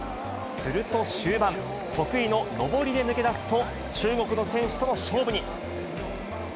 すると終盤、得意の上りで抜け出すと、中国の選手との勝負に。